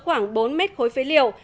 khoảng bốn mét khối phế liệu